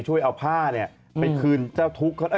ช่วยเอาผ้าเนี่ยไปคืนเจ้าทุกข์